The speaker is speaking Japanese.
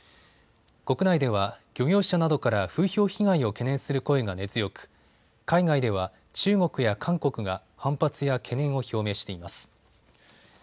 国内では漁業者などから風評被害を懸念する声が根強く海外では中国や韓国が反発や懸念を表明しています。